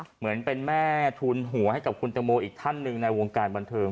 เหมือนเป็นแม่ทูลหัวให้กับคุณตังโมอีกท่านหนึ่งในวงการบันเทิง